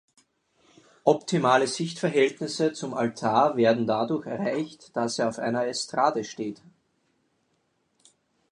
Optimale Sichtverhältnisse zum Altar werden dadurch erreicht, dass er auf einer Estrade steht.